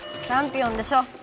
チャンピオンでしょ。